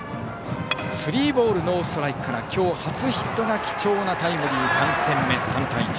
スリーボールノーストライクから今日初ヒットが貴重なタイムリーで３点目３対１。